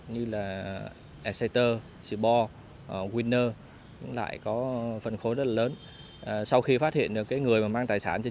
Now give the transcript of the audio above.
như là exeter seabor winner những loại có phân khối rất lớn